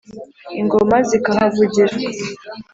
Ingoma zikahávugira